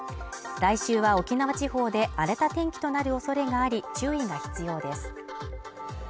来週は沖縄地方で荒れた天気となるおそれがあり注意が必要です。